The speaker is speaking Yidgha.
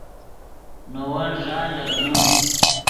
نے ون ݱا لیغنے